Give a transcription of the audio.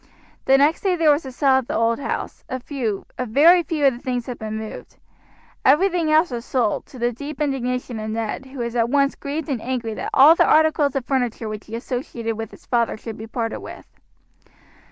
The next day there was a sale at the old house. A few, a very few, of the things had been moved. Everything else was sold, to the deep indignation of Ned, who was at once grieved and angry that all the articles of furniture which he associated with his father should be parted with.